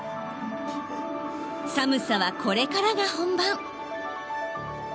寒さはこれからが本番。